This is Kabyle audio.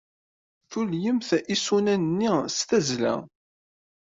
Tulyemt isunan-nni s tazzla.